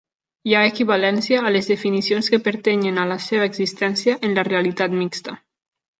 Hi ha equivalència en els definicions que pertanyen a la seva existència en la realitat mixta.